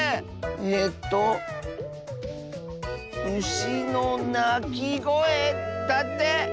えと「うしのなきごえ」だって！